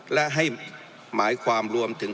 และให้หมายความรวมถึง